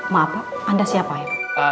maaf pak anda siapa itu